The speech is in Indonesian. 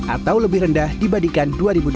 atau lebih rendah dibandingkan dua ribu dua puluh